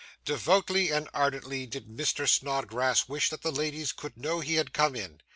Devoutly and ardently did Mr. Snodgrass wish that the ladies could know he had come in.